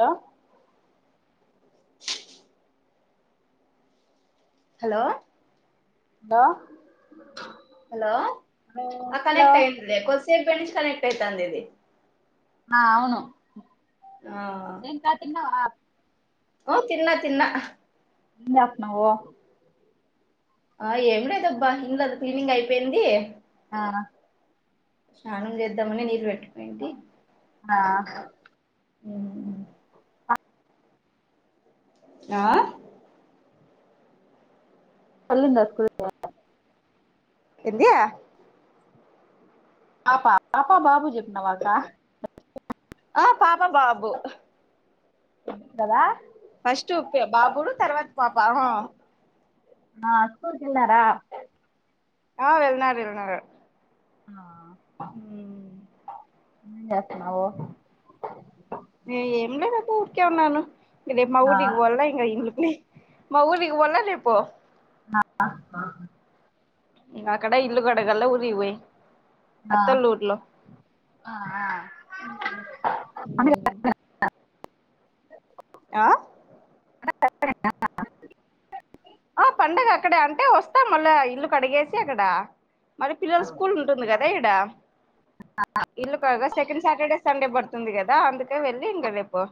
Hello hello బా hello ఆ connect అయిందిలే కొద్సేపు బంచి కనెక్ట్ అయితాందిది. ఆ అవును. ఇంకా తిన్నవా ఓ తిన్నా తిన్నా. ఏం చేత్తానవు ఆ ఏం లేదబ్బ ఇంట్లది క్లీనింగ్ అయిపోయింది. ఆ స్నానం చేద్దామని నీళ్ళు పెట్ ఆ ఉమ్ ఆ పల్ందా స్కూల్ ఏందీ పాపా పాపా బాబు చెప్పిన వాక్క ఆ పాప బాబు కదా ఫస్ట్ కే బాబుడు తర్వాత పాపా ఆ ఆ స్కూల్ కెల్లారా ఆ వెళ్ళినరూ వెళ్ళినరు ఆ ఎంచేస్తునవు ఏ ఏంలేదు అబ్బ ఉరికే ఉన్నాను ఇదే మా ఆ ఊరికి పోవాలా ఇగ నీ మా ఊరికి పోవాలా రేపు ఆ ఆ అక్కడ ఇల్లు కడగల్ల ఊరికి పోయి ఆ అత్తోల ఊర్లో ఆ ఉమ్ ఉహ్మ్ ఆ ఆ [unintelligible] ఆ పండుగ అక్కడే అంటే వస్తాం మళ్ళా ఇల్లు కడిగేసి అక్కడ మరి పిల్లోలకి స్కూల్ ఉంటుంది కదా ఇక్కడ ఇల్లు కాగా సెకండ్ సాటర్డే సండే పడుతుంది కదా అందుకే వెళ్ళలి ఇంక రేపు పూ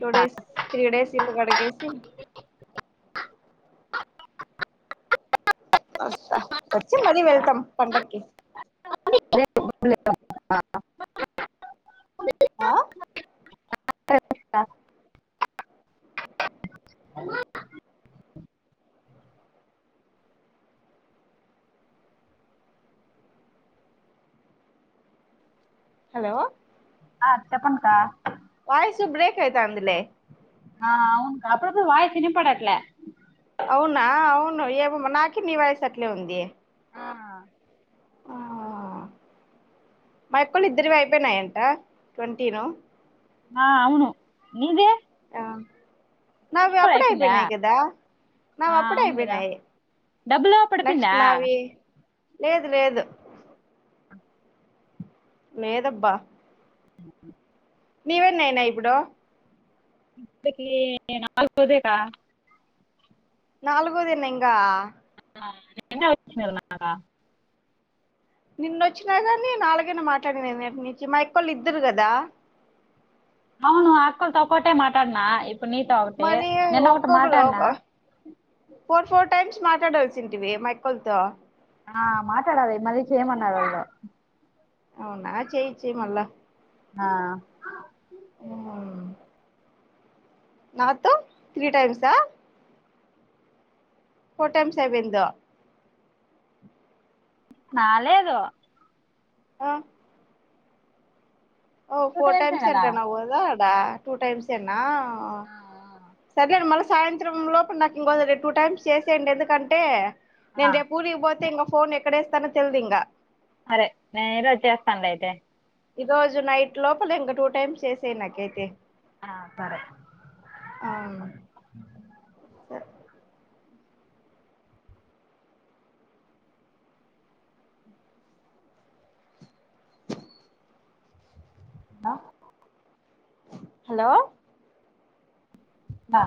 టూ డేస్ త్రీ డేస్ ఇల్ కడకేసి వస్త వచ్చి మళ్ళీ వెళ్తాం పండక్కి [unintelligible] ఆ [unintelligible] [unintelligible] హలో ఆ చెప్పక్క వయిసు బ్రేక్ అయితాందిలే ఆ అవునుకా నాకైతే వాయిస్ విన్నపడట్లే అవునా అవును ఏమో మల్ల నాకు నీ వాయిస్ అట్లే ఉంది ఆ ఆ మా యక్కోలవి ఇద్దరివీ అయిపోయినాయంట ట్వంటీను ఆ అవును నీది ఆ నావీ కూడా అప్పుడే అయిపోయిందా అయిపోయినాయి కదా నావి ఆ అప్పుడే అవును కదా అయిపోయినాయి డబ్బులు నెక్స్ట్ పడిపోయిందా నావి లేదు లేదు లేదబ్బా అ నీవేన్నాయి ఇప్పుడు ఇదీ నాలుగోదెక్క నాలుగోదేనా ఇంకా నిన్నె వాచినర [unintelligible] నిన్న వచ్చినా గాని నాలుగైనా మాట్లాడినేది మా యకొల్లు ఇద్దరు కదా అవును అక్కలోతో ఒకటే మాటడిన మరి ఒక్కొక్కరు ఒక ఫోర్ ఫోర్ టైమ్స్ మట్ మాట్లాడాల్సిన్టీవీ మా యక్కలతో ఆ మాట్లాడాలి మళ్ళి చేయమన్నారుారో అవునా చేయిచ్చే మళ్ళ ఆ ఆ నాతో త్రీ టైమ్సా ఫోటం సవెన్ దొ నాలేదు ఆ ఓ టూ ఫోర్ టైమ్సే టైమ్స్ కదా ఏంటనవవుోద అడా టూ టైమ్స్ ఏనా హ ఆ, సర్లే మల సాయంత్రం లోపు నాకు ఇంకొ ర టూ టైమ్స్ చేసేయంండి ఎందుకంటే ఆ, ఆ, నేను రేపు ఊరికిపోతే ఇంగ ఫోన్ ఎక్కడేస్తానో తెలిదింగా సరే నేను ఈరోజు చేస్తానులే అయితే ఈ రోజు నైట్ లోపల ఇంకా టూ టైమ్స్ చేసెన నాకైతే ఆ, సరే ఆ సరే ఆ హలో! దా